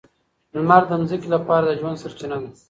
لمر د ځمکې لپاره د ژوند سرچینه ده.